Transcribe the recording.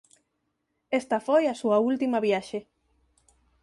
Esta foi a súa última viaxe.